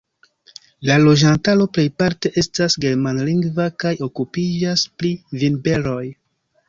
La loĝantaro plejparte estas germanlingva kaj okupiĝas pri vinberoj.